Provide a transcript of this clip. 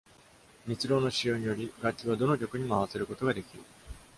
蜜蝋の使用により、楽器はどの曲にも合わせることができる。